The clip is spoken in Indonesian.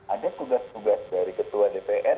ada tugas tugas dari ketua dpr